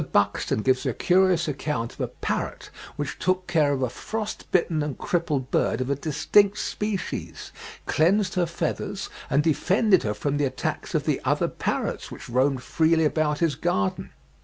Buxton gives a curious account of a parrot which took care of a frost bitten and crippled bird of a distinct species, cleansed her feathers, and defended her from the attacks of the other parrots which roamed freely about his garden.